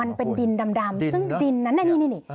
มันเป็นดินดำซึ่งดินนั้นน่ะนี่